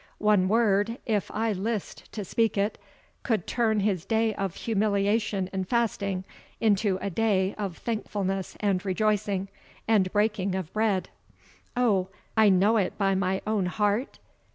One word, if I list to speak it, could turn his day of humiliation and fasting into a day of thankfulness and rejoicing, and breaking of bread. O, I know it by my own heart?